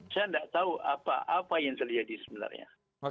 saya tidak tahu apa yang terjadi sebenarnya